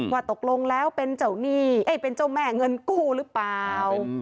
ว่าตกลงแล้วเป็นเจ้าแม่เงินกู้หรือเปล่า